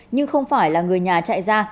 nhưng không phải là người nhà chạy ra